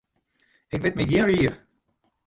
Ik wit my gjin rie.